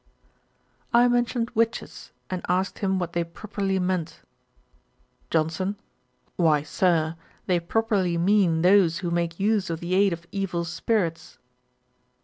I mentioned witches, and asked him what they properly meant. JOHNSON. 'Why, Sir, they properly mean those who make use of the aid of evil spirits.'